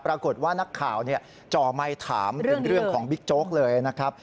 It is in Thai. ปรากฏว่านักข่าวจ่อไมค์ถามเป็นเรื่องของบิ๊กโจ๊กเลยนะครับ